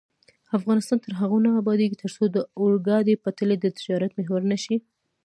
افغانستان تر هغو نه ابادیږي، ترڅو د اورګاډي پټلۍ د تجارت محور نشي.